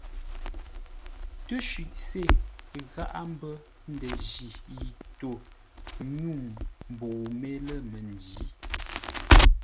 Təshʉʼ se gháʼá mbə́ ndənji yi tô nyû mbəu mé lə̂ məndǐ.